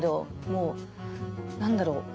もう何だろう